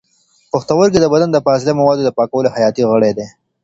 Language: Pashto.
پښتورګي د بدن د فاضله موادو د پاکولو حیاتي غړي دي.